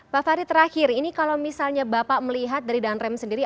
pak farid terakhir ini kalau misalnya bapak melihat dari danrem sendiri